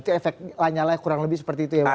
itu efek lanyala kurang lebih seperti itu ya bang